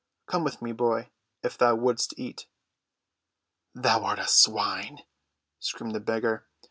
Come with me, boy, if thou wouldst eat." "Thou art a swine!" screamed the beggar.